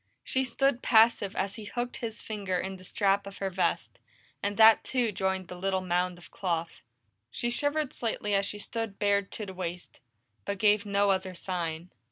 She stood passive as he hooked his finger in the strap of her vest, and that too joined the little mound of cloth. She shivered slightly as she stood bared to the waist, but gave no other sign.